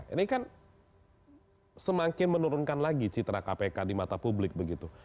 ini kan semakin menurunkan lagi citra kpk di mata publik begitu